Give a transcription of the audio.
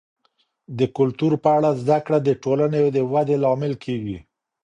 د کلتور په اړه زده کړه د ټولنې د ودي لامل کیږي.